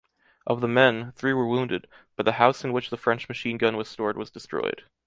Of the men, three were wounded, but the house in which the French machine gun was stored was destroyed.